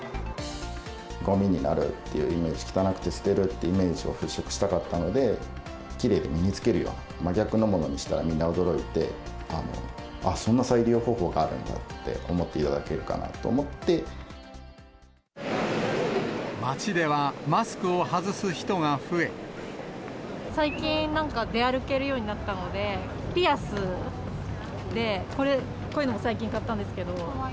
ごみになるっていうイメージ、汚くて捨てるっていうイメージを払拭したかったので、きれいに身につけるような真逆のものにしたら、みんな驚いて、ああ、そんな再利用方法があるんだって思っていただけるかなと思街では、最近、なんか出歩けるようになったので、ピアスでこういうのを最近買ったんですけど。